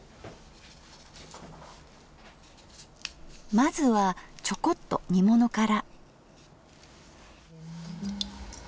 まずはちょこっと煮物から。